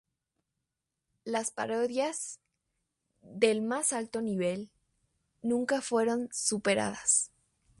Las parodias, del más alto nivel, nunca fueron superadas.